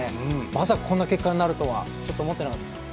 まさかこんな結果になるとはちょっと思ってなかったです。